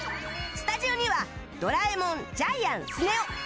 スタジオにはドラえもんジャイアンスネ夫